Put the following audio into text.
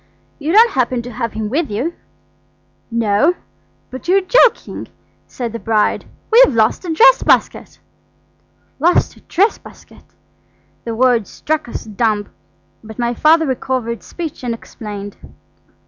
"You don't happen to have him with you?" "No; but you're joking," said the bride. "We've lost a dress basket." Lost a dress basket! The words struck us dumb, but my father recovered speech and explained.